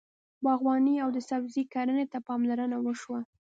باغواني او د سبزۍ کرنې ته پاملرنه وشوه.